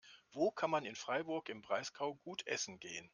Wo kann man in Freiburg im Breisgau gut essen gehen?